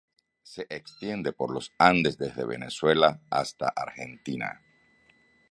Se extiende por los Andes desde Venezuela hasta Argentina.